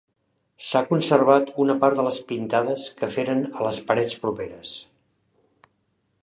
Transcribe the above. S'ha conservat una part de les pintades que feren a les parets properes.